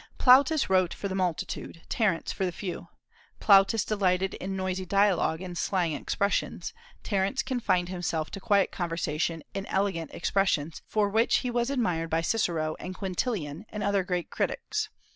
Plautus wrote for the multitude, Terence for the few; Plautus delighted in noisy dialogue and slang expressions; Terence confined himself to quiet conversation and elegant expressions, for which he was admired by Cicero and Quintilian and other great critics.